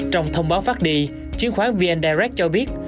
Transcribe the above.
trong thông báo phát đi chứng khoán vn direct cho biết